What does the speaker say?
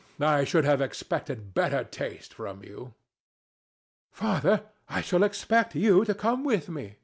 I should have expected better taste from you. ANA. Father: I shall expect you to come with me.